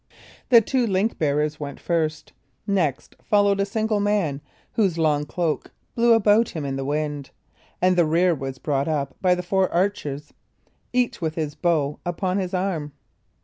The two link bearers went first; next followed a single man, whose long cloak blew about him in the wind; and the rear was brought up by the four archers, each with his bow upon his arm.